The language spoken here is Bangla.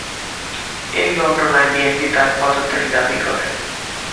এই ঘটনায় বিএনপি তার পদত্যাগ দাবী করে।